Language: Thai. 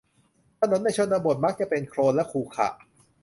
ถนนในชนบทมักจะเป็นโคลนและขรุขระ